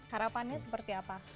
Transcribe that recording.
harapannya seperti apa